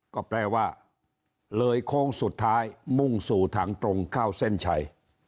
ก็แปลว่าเลยโค้งสุดท้ายมุ่งสู่ทางตรงเข้าเส้นชัย